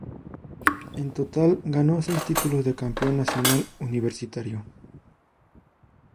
En total ganó seis títulos de campeón nacional universitario.